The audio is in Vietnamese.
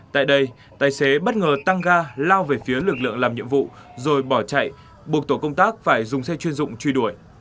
tại đây tài xế bất ngờ tăng ga lao về phía lực lượng làm nhiệm vụ rồi bỏ chạy buộc tổ công tác phải dùng xe chuyên dụng truy đuổi